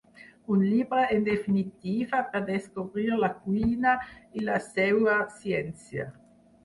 Un llibre en definitiva per descobrir la cuina i la seua ciència.